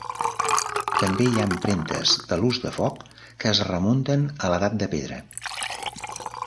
També hi ha empremtes de l'ús de foc que es remunten a l'Edat de Pedra.